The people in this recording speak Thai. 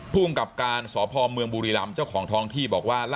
ภูมิกับการสพเมืองบุรีรำเจ้าของท้องที่บอกว่า